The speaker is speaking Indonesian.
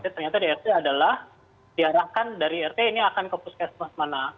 ternyata di rt adalah diarahkan dari rt ini akan ke puskesmas mana